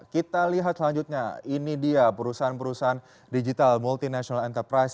kita lihat selanjutnya ini dia perusahaan perusahaan digital multinational enterprise